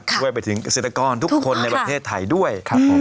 ช่วยไปถึงเศรษฐกรทุกคนในประเทศไทยด้วย